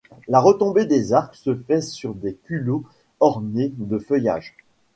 La retombée des arcs se fait sur des culots ornés de feuillages.